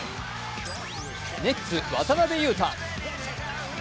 ネッツ・渡邊雄太。